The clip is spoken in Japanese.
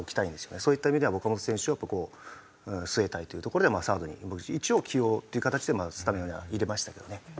そういった意味では岡本選手をここ据えたいというところでサードに一応起用っていう形でスタメンには入れましたけどね。